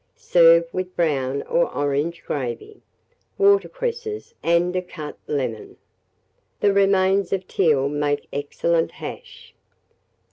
Serve with brown or orange gravy, water cresses, and a cut lemon. The remains of teal make excellent hash.